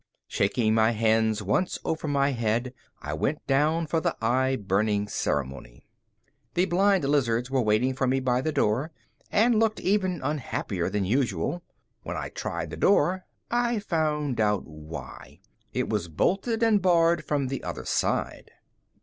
Shaking my hands once over my head, I went down for the eye burning ceremony. The blind lizards were waiting for me by the door and looked even unhappier than usual. When I tried the door, I found out why it was bolted and barred from the other side.